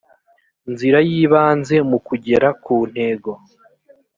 nzira y ibanze mu kugera ku ntego